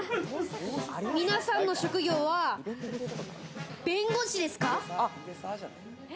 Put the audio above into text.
皆さんの職業は弁護士ですか？